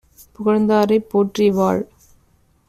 புகழ்ந்தாரைப் போற்றி வாழ்.